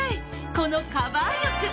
このカバー力。